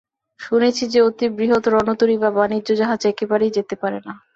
শুনেছি যে, অতি বৃহৎ রণতরী বা বাণিজ্য-জাহাজ একেবারেই যেতে পারে না।